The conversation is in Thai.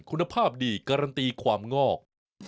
คุณภาพดีการันตีความงอก